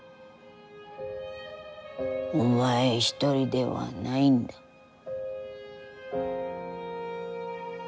お前一人ではないんだ、決して。